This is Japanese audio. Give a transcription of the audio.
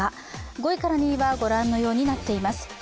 ５位から２位はご覧のようになっています。